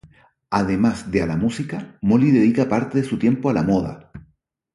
Además de a la música, Molly dedica parte de su tiempo a la moda.